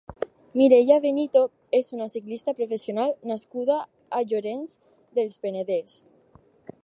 Mireia Benito és una ciclista professional nascuda a Llorenç del Penedès.